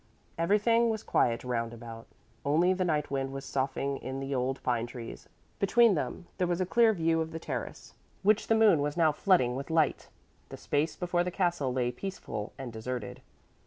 Everything was quiet roundabout, only the night wind was soughing in the old pine trees. Between them there was a clear view of the terrace, which the moon was now flooding with light; the space before the castle lay peaceful and deserted.